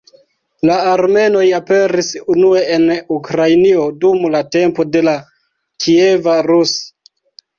La armenoj aperis unue en Ukrainio dum la tempo de la Kieva Rus.